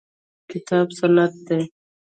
کتاب سنت دي.